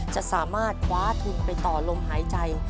จะสามารถคว้าทุนไปต่อลมหายใจ